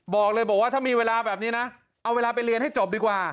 บอกเลยบอกว่าถ้ามีเวลาแบบนี้นะเอาเวลาไปเรียนให้จบดีกว่า